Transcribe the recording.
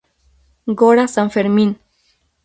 Gora san Fermin!